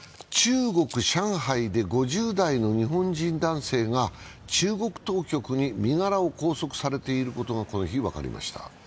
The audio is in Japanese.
中国・上海で５０代の日本人男性が中国当局に身柄を拘束されていることが、この日、分かりました。